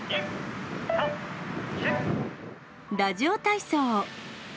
ラジオ体操。